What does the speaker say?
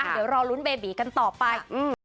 เดี๋ยวรอลุ้นเบบีกันต่อไป